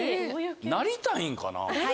なりたいかな？